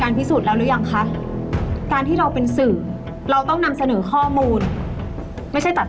สนุกสนุกสนุกสนุกสนุกสนุก